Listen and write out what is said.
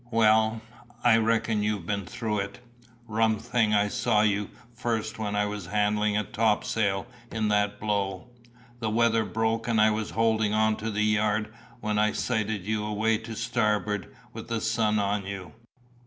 "Well, I reckon you've been through it. Rum thing I saw you first when I was handling a topsail in that blow. The weather broke and I was holdin' on to the yard when I sighted you away to starboard with the sun on you.